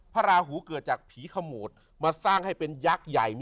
ราหูเกิดจากผีขโมดมาสร้างให้เป็นยักษ์ใหญ่